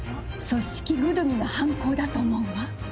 組織ぐるみの犯行だと思うわ。